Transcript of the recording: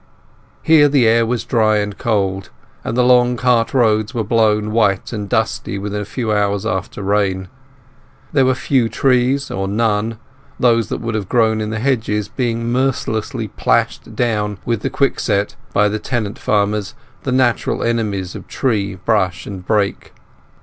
Here the air was dry and cold, and the long cart roads were blown white and dusty within a few hours after rain. There were few trees, or none, those that would have grown in the hedges being mercilessly plashed down with the quickset by the tenant farmers, the natural enemies of tree, bush, and brake.